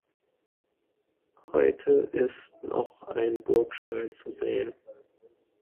Heute ist noch ein Burgstall zu sehen.